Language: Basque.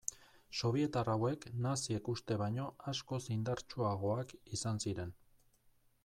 Sobietar hauek naziek uste baino askoz indartsuagoak izan ziren.